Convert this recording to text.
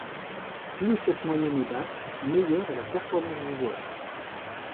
Plus cette moyenne est basse, meilleure est la performance du joueur.